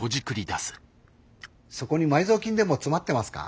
そこに埋蔵金でも詰まってますか？